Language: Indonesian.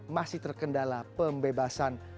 masih terkendala pembebasan